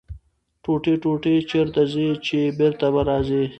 ـ ټوټې ټوټې چېرته ځې ،چې بېرته به راځې.